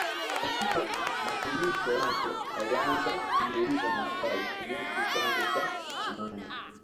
Katika mafundisho yake alianza kujiuliza maswali kuhusu chanzo cha imani